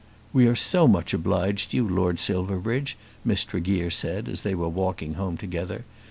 "We are so much obliged to you, Lord Silverbridge," Miss Tregear said as they were walking home together.